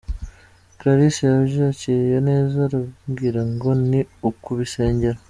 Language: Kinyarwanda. Clarisse yabyakiriye neza, arambwira ngo ni ukubisengera.